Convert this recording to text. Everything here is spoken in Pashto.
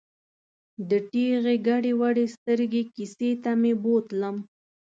د ټېغې ګډې ودې سترګې کیسې ته مې بوتلم.